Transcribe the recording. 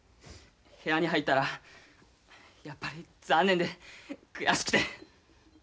部屋に入ったらやっぱり残念で悔しくて。